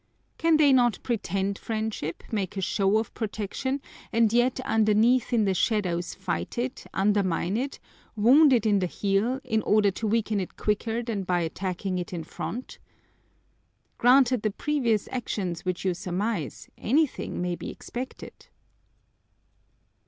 Can they not pretend friendship, make a show of protection, and yet underneath in the shadows fight it, undermine it, wound it in the heel, in order to weaken it quicker than by attacking it in front? Granted the previous actions which you surmise, anything may be expected!"